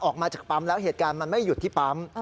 ออกมาจากปั๊มแล้วเหตุการณ์มันไม่หยุดที่ปั๊ม